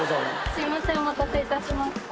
すみませんお待たせいたしました。